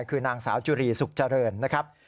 คือนางสาวจุรีสุขเจริญนะครับ